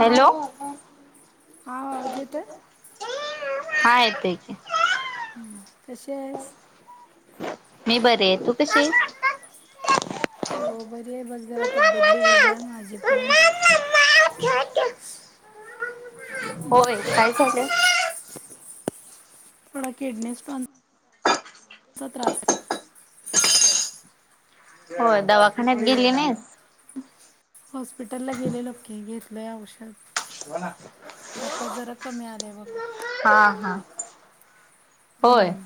Hello. हा आवाज येतोय. हा येतोय की हम्म कशी आहेस. मी बरी आहे तू कशी आहेस? हो बरीये बघ जरा तब्येत बिघडल्या माझी पण. हता [unintelligible] होय काय झालंय? थोडा किडनी स्टोन चा त्रासे. होय दवाखान्यात गेली नाहीस. हॉस्पिटल ला गेले लो की घेतलंय औषध. आता जरा कमी आलंय बघ हा हा. होय. हम्म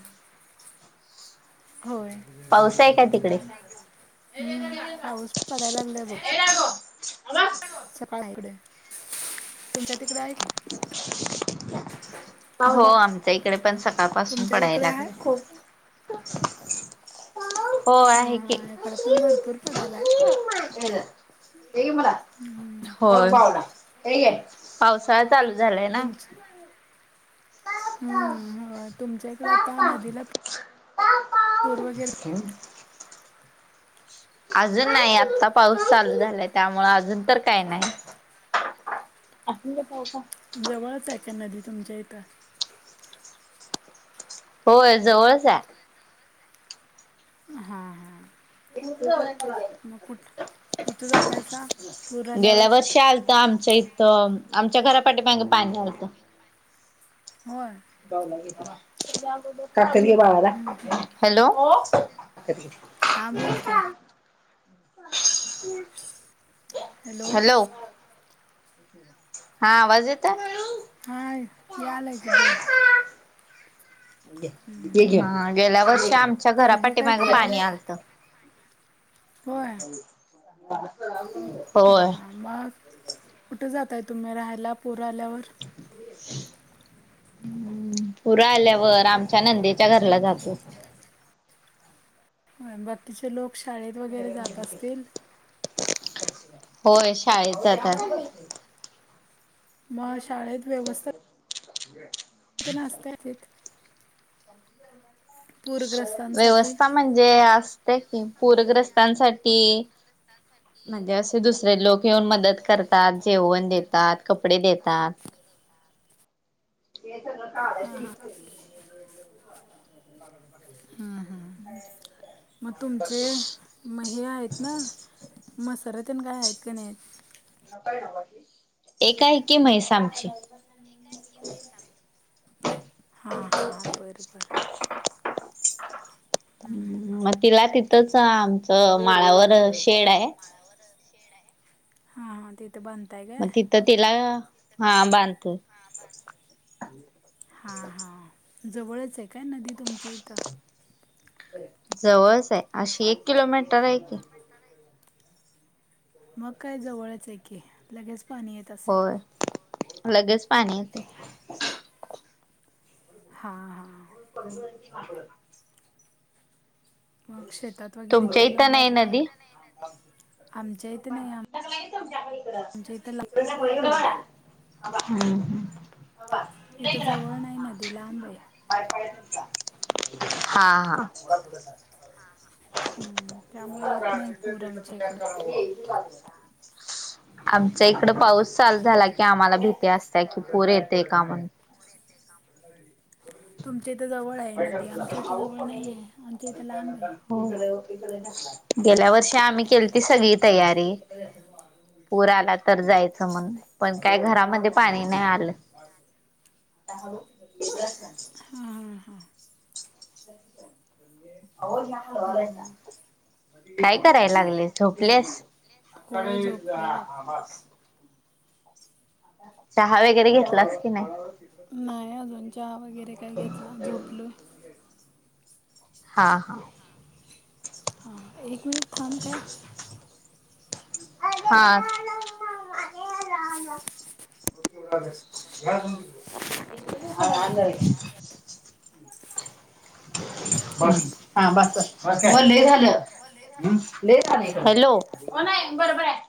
होय. पाऊस गो पडायला लागलाय आ [unintelligible] का इकडे तुमच्या तिकडे [unintelligible] हो आमच्या इकडे पण सकाळ पासून तुमच्या तिकडे पडायला आहे लागला खूप हो, हा आहे की! हा इकडे पण भरपूर पडायलाय हे मला हो पा हे ग [unintelligible] पावसाळा चालू झालाय ना. तुमच हम्म, तुमच्या इकडं आता नदीला पूर वगैरे अजून नाही, आत्ता पाऊस चालू झालाय, त्यामुळे अजून तर काय नाही. अस पाव का [unintelligible] जवळच आहे का नदी? तुमच्या इथं. होय जवळच आहे. हा हा [unintelligible] मग कुठ कुठं जातायसा पूर गेल्या आल्यावर वर्षी आलता. आमच्या इथ आमच्या घरापाठी मागे पाणी आलत. होय बऊलं [unintelligible] का बावाला हॅलो [unintelligible] हां, बोलकी ह [unintelligible] हॅलो! हा आवाज येत? हाय यायलाय की बोल गेल्या वर्षी, आमच्या घरा पोरगी काय पाठीमागे खेळाल्या पाणी का आलत. [inaudible] हा, होय. हा, मग कुठे जातय तुम्ही राहायला प आल्यावर.. ह पुरं आल्यावर, आमच्या नंदेच्या घरला जातो. बाकीचे लोक शाळेत वगैरे जात असतील. होय शाळेत जातात. मग शाळेत व्यवस्थित म्हे [unintelligible] ना असत [unintelligible] पूरग्रस्तांसाठी व्यवस्था म्हणजे असते कि, पूरग्रस्तांसाठी म्हणजे असे दुसरे लोक येऊन मदत करतात. जेवण देतात, कपडे देतात. ते ो कालेचच खेर [unintelligible] ब [inaudible] मग तुमचे म हे आहेत ना, मसरातन काय आहेत का नाही? एक आहे की, म्हैसा आमची. [inaudible] हा, हा, बरं, बरं मग तिला तिथंच, आमचं माळावर शेड आहे. हा, हा, ते मग तिथं तिला हा बांधतोय हा, हा, जवळच आहे काय नदी तुमच्या इथं? जवळच आहे, अशी एक किलोमीटर आहे की. मग काय जवळच आहे की, लगेच पाणी येत असेल. होय. लगेच पाणी येते. हा, हा [inaudible] मग शेतात वगैरे तुमच्या काय इथं लावलं नाही आता आमच्या इथे नाही आम- म आमच्या इकड इथं ला इडड [unintelligible] हम्म इथं जवळ नाही ह् नदी लांब आहे ह बाय हा हा हम्म त्यामुळे येत नाही पूर आमच्या इकड क ला [unintelligible] आमचा इकड पाऊस चालू झाला की आम्हाला भीती असत की पूर येतय का म्हण का ब इथं जवळ नाही आहे आमच्या इथं लांब आहे गेल्या वर्षी आम्ही केली त सगळी तयारी पूर आला तर जायचं म्हण पण काय घरामध्ये पाणी नाही आलं आता हां हां हां हम्म. [unintelligible] कराय लागले झोपलेस होय झोपले बघ चहा वगैरे घेतलास की नाही च वगैरे काय घेतला झोपलोय हा हा हा एक मिनिट थांब काय हा हा बसले झालं हॅलो कोण आहे बरोबर आहे